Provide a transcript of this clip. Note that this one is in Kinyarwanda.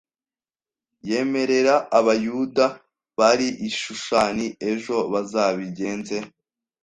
yemerere Abayuda bari i Shushani ejo bazabigenze